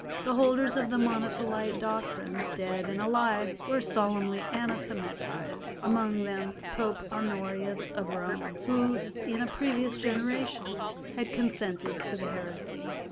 The holders of Monothelite doctrines, dead and alive, were solemnly anathematised, among them Pope Honorius of Rome, who in a previous generation had consented to the heresy.